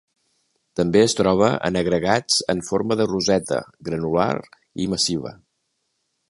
També es troba en agregats en forma de roseta, granular i massiva.